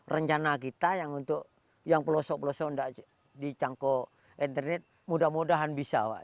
rencana kita yang untuk yang pelosok pelosok tidak dicangkau internet mudah mudahan bisa pak